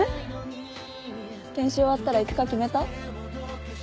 研修終わったら行く科決めた？